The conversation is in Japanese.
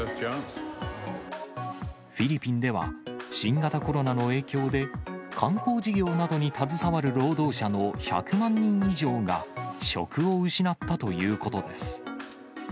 フィリピンでは、新型コロナの影響で、観光事業などに携わる労働者の１００万人以上が、職を失ったということです。